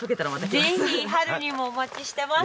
ぜひ春にもお待ちしてます。